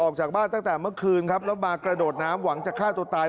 ออกจากบ้านตั้งแต่เมื่อคืนครับแล้วมากระโดดน้ำหวังจะฆ่าตัวตาย